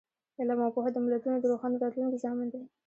علم او پوهه د ملتونو د روښانه راتلونکي ضامن دی.